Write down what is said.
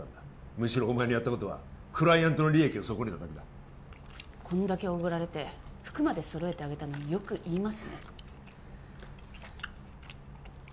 むしろお前のやったことはクライアントの利益を損ねただけだこんだけおごられて服まで揃えてあげたのによく言いますね